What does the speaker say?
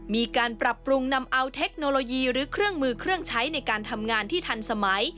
มีการปรับปรุงนำเอาเทคโนโลยีหรือเครื่องมือเครื่องใช้ในการทำงานที่ทันสมัย